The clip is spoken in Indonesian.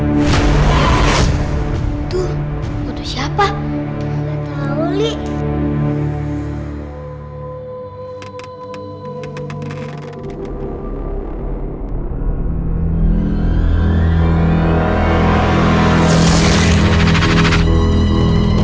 masuk aja gak apa apa